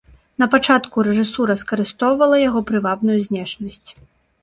Напачатку рэжысура скарыстоўвала яго прывабную знешнасць.